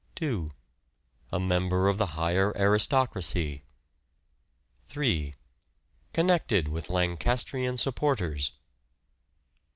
2. A member of the higher aristocracy. 3. Connected with Lancastrian supporters.